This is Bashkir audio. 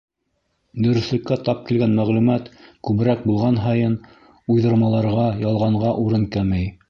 Дөрөҫлөккә тап килгән мәғлүмәт күберәк булған һайын уйҙырмаларға, ялғанға урын кәмей.